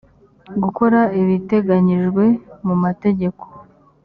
gukora ibiteganyijwe mu mategeko